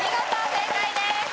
正解です。